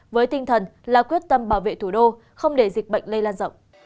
với tinh thần là quyết tâm bảo vệ thủ đô không để dịch bệnh lây lan rộng